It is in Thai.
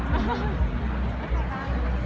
ไม่ทราบเลยครับ